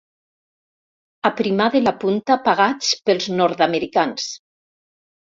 Aprimar de la punta pagats pels nord-americans.